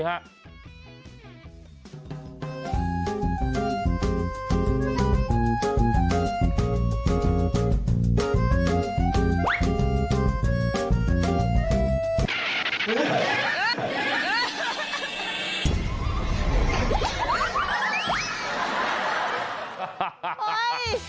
เฮ้ย